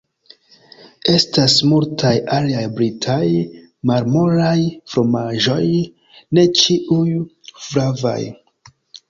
Estas multaj aliaj britaj malmolaj fromaĝoj, ne ĉiuj flavaj.